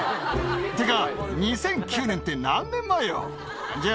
ってか、２００９年って何年前よ。